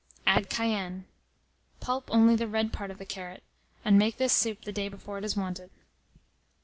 Add cayenne. Pulp only the red part of the carrot, and make this soup the day before it is wanted.